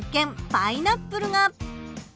パイナップルが。